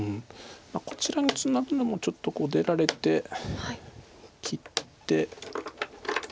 こちらにツナぐのもちょっと出られて切って。